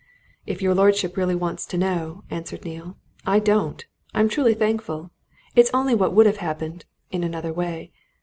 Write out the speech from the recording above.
"If your lordship really wants to know," answered Neale, "I don't! I'm truly thankful. It's only what would have happened in another way.